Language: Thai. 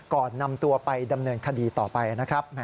ก่อนนำตัวไปดำเนินคดีต่อไปนะครับ